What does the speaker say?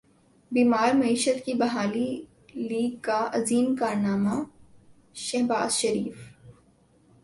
بیمار معیشت کی بحالی لیگ کا عظیم کارنامہ ہے شہباز شریف